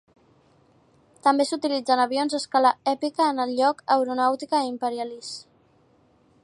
També s'utilitzen avions a escala èpica en el joc "Aeronautica Imperialis".